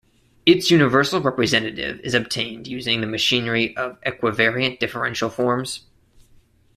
Its universal representative is obtained using the machinery of equivariant differential forms.